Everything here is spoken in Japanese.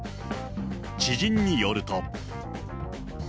知人によると。